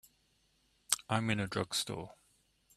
I'm in a drugstore.